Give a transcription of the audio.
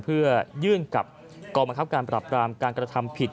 เพื่อยื่นกับกองบังคับการปรับรามการกระทำผิด